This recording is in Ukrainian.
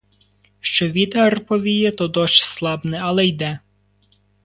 Що вітер повіє, то дощ слабне, але йде.